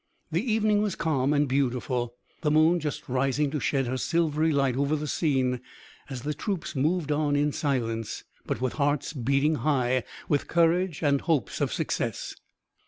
The evening was calm and beautiful, the moon just rising to shed her silvery light over the scene, as the troops moved on in silence, but with hearts beating high with courage and hopes of success.